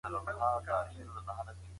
زه به د هرې کيسې له اتل سره يو ځای تلم.